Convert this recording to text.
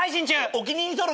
お気に入り登録。